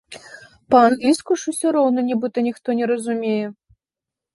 Па-англійску ж ўсё роўна нібыта ніхто не разумее!